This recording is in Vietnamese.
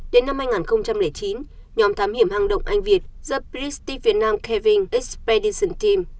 đến năm hai nghìn chín nhóm thám hiểm hang động anh việt giúp british deep vietnam caving expedition team